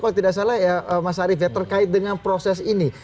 kalau tidak salah ya mas arief ya terkait dengan proses ini